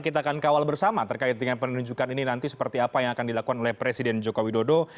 kita akan kawal bersama terkait dengan penunjukan ini nanti seperti apa yang akan dilakukan oleh presiden joko widodo